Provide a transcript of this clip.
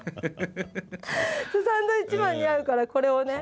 サンドウィッチマンに会うからこれをね